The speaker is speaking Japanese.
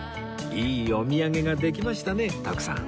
いいお土産ができましたね徳さん